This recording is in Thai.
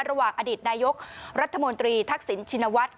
ระหว่างอดิษฐ์นายกรัฐมนตรีทักษิณชินวัฒน์